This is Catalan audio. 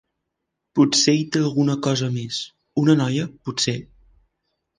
Potser hi té alguna cosa més... una noia, potser?